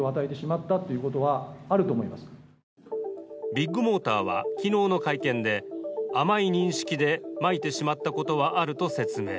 ビッグモーターは昨日の会見で甘い認識でまいてしまったことはあると説明。